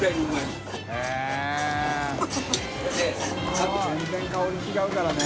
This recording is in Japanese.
だって全然香り違うからね。